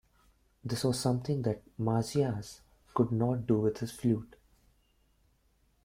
This was something that Marsyas could not do with his flute.